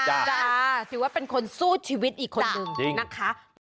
จ้าถือว่าเป็นคนสู้ชีวิตอีกคนนึงนะคะ